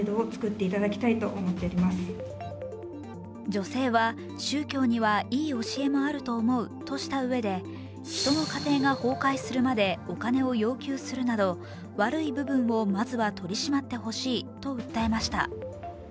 女性は宗教にはいい教えもあると思うとしたうえで人の家庭が崩壊するまでお金を要求するなど悪い部分をまずは取り締まってほしいと訴えました。